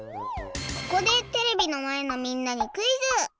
ここでテレビのまえのみんなにクイズ。